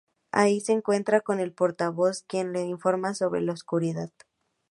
Allí se encuentran con el Portavoz, quien les informa sobre la Oscuridad.